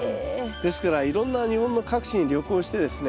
ですからいろんな日本の各地に旅行してですね